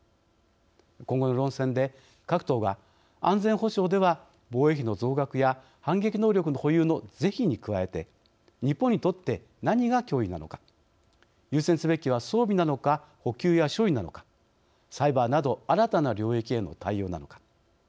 今後の論戦で、各党が安全保障では、防衛費の増額や反撃能力の保有の是非に加えて日本にとって、何が脅威なのか優先すべきは装備なのか補給や修理なのかサイバーなど新たな領域への対応なのか。